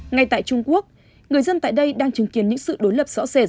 ngay tại trung quốc người dân tại đây đang chứng kiến những sự đối lập rõ rệt